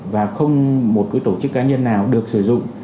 và không một cái tổ chức cá nhân nào được sử dụng